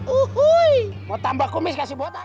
uhui mau tambah kumis kasih botak